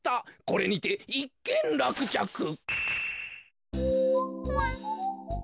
これにていっけんらくちゃく。